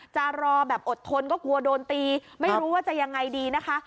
จะรอแบบอดทนก็กลัวโดนตีไม่รู้ว่าจะยังไงดีนะคะ